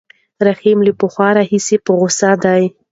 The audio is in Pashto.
رحیم له پخوا راهیسې په غوسه دی.